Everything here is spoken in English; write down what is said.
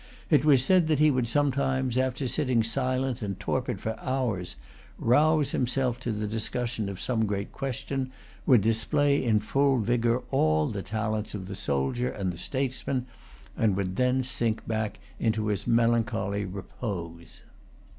It was said that he would sometimes, after sitting silent and torpid for hours, rouse himself to the discussion of some great question, would display in full vigour all the talents of the soldier and the statesman, and would then sink back into his melancholy repose.